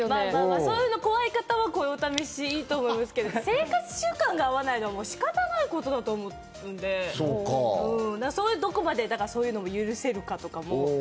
そういうのが怖い方はこういうお試し、いいと思いますけど、生活習慣が合わないのは仕方のないことだと思うので、どこかで許せるかとかも。